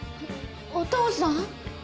お父さん！？